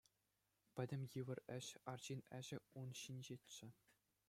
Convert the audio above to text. Пӗтӗм йывӑр ĕç, арҫын ĕçĕ, ун ҫинчеччӗ.